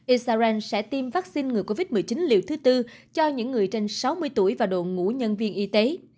israel sẽ tiêm vaccine ngừa covid một mươi chín liều thứ tư cho những người trên sáu mươi tuổi và đội ngũ nhân viên y tế